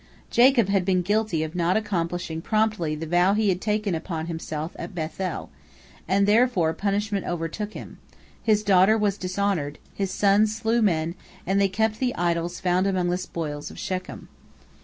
Jacob had been guilty of not accomplishing promptly the vow he had taken upon himself at Beth el, and therefore punishment overtook him—his daughter was dishonored, his sons slew men, and they kept the idols found among the spoils of Shechem.